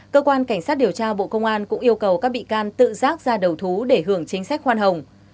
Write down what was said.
cơ quan cảnh sát điều tra bộ công an cũng yêu cầu các bị can tự rác ra đầu thú để hưởng chính sách khoan hồng